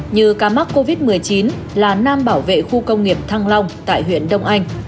như ca mắc covid một mươi chín là nam bảo vệ khu công nghiệp thăng long tại huyện đông anh